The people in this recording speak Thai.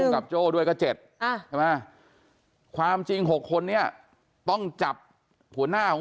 ตั้งกี่คนนะ๕๖๖คน